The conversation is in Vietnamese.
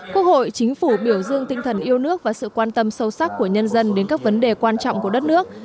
quốc hội chính phủ biểu dương tinh thần yêu nước và sự quan tâm sâu sắc của nhân dân đến các vấn đề quan trọng của đất nước